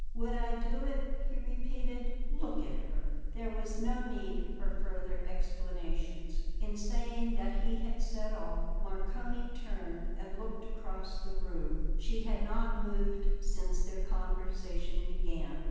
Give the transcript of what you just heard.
"Would I do it?" he repeated. "Look at her!" There was no need for further explanations; in saying that he had said all. Marcone turned and looked across the room. She had not moved since their conversation began.